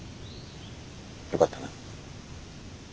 よかったな。